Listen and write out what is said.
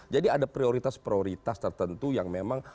jadi ada prioritas prioritas tertentu yang memang